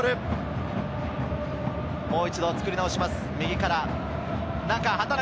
もう一度作り直します、右から。